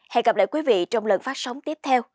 hẹn gặp lại quý vị trong lần phát sóng tiếp theo